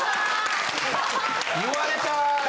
言われたい！